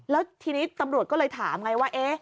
แล้วทีนี้ตำรวจก็เลยถามไงว่า